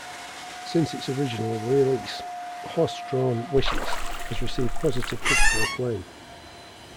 Since its original release, "Horsedrawn Wishes" has received positive critical acclaim.